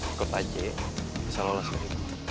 ikut aja bisa lolos dari